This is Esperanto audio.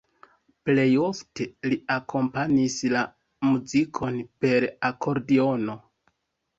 Plej ofte li akompanis la muzikon per akordiono.